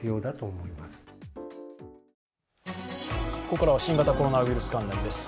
ここからは新型コロナウイルス関連です。